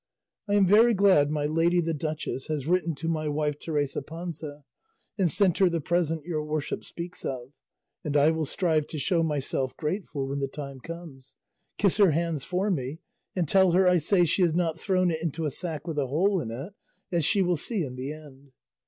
I am very glad my lady the duchess has written to my wife Teresa Panza and sent her the present your worship speaks of; and I will strive to show myself grateful when the time comes; kiss her hands for me, and tell her I say she has not thrown it into a sack with a hole in it, as she will see in the end.